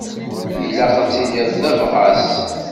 Ilaq ad tiliḍ d abɣas!